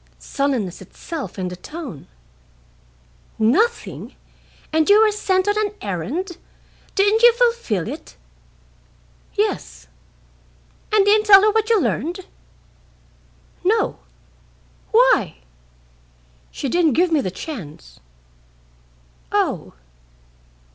Sullenness itself in the tone. "Nothing? and you were sent on an errand? Didn't you fulfil it?" "Yes." "And didn't tell her what you learned?" "No." "Why?" "She didn't give me the chance." "Oh!"